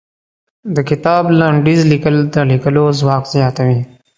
د کتاب لنډيز ليکل د ليکلو ځواک زياتوي.